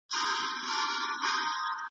د وروستي تم ځای پر لوري